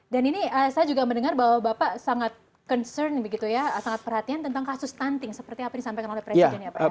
dan ini saya juga mendengar bahwa bapak sangat concern begitu ya sangat perhatian tentang kasus stunting seperti apa yang disampaikan oleh presiden ya pak ya